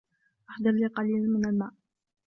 أحضر لي قليلا من الماء.